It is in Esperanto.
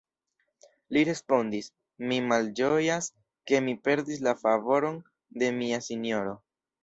li respondis, mi malĝojas, ke mi perdis la favoron de mia sinjoro.